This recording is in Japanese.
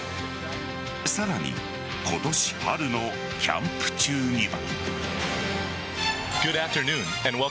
さらに、今年春のキャンプ中には。